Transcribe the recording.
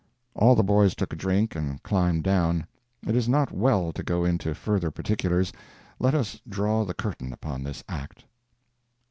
All the boys took a drink and climbed down. It is not well to go into further particulars. Let us draw the curtain upon this act.